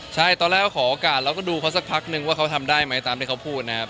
ใช่ตอนแรกขอโอกาสเราก็ดูเขาสักพักนึงว่าเขาทำได้ไหมตามที่เขาพูดนะครับ